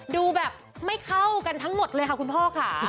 ดูแบบไม่เข้ากันทั้งหมดเลยค่ะคุณพ่อค่ะ